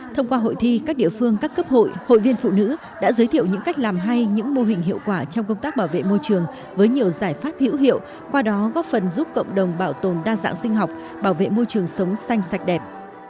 thông qua hội thi các địa phương các cấp hội hội viên phụ nữ đã giới thiệu những cách làm hay những mô hình hiệu quả trong công tác bảo vệ môi trường với nhiều giải pháp hữu hiệu qua đó góp phần giúp cộng đồng bảo tồn đa dạng sinh học bảo vệ môi trường sống xanh sạch đẹp